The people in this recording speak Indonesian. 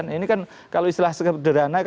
ini kan kalau istilah sederhana